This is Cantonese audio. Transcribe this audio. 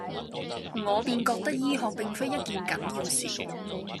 我便覺得醫學並非一件緊要事，